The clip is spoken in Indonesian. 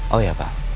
oh ya pak